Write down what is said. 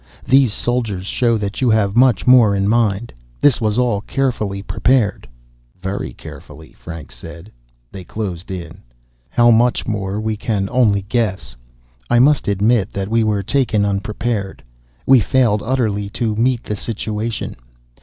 These soldiers show that you have much more in mind; this was all carefully prepared." "Very carefully," Franks said. They closed in. "How much more, we can only guess. I must admit that we were taken unprepared. We failed utterly to meet the situation.